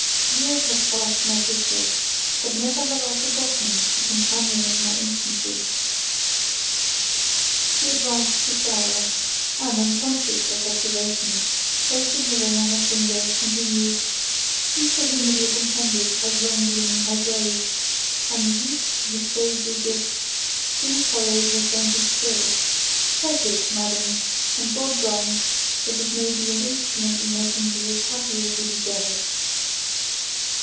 Years have passed, my sister, but never have I forgotten the companion of my infancy!" He advanced to Sarah, and, unconscious of observation, placing the ring on her finger, continued, "She for whom it was intended has long been in her grave, and the youth who bestowed the gift soon followed her sainted spirit; take it, madam, and God grant that it may be an instrument in making you as happy as you deserve!"